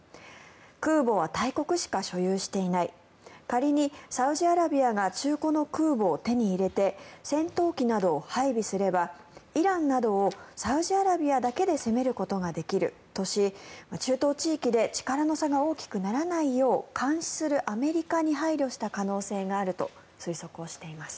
空母は大国しか所有していない仮にサウジアラビアが中古の空母を手に入れて戦闘機などを配備すればイランなどをサウジアラビアだけで攻めることができるとし中東地域で力の差が大きくならないよう監視するアメリカに配慮した可能性があると推測しています。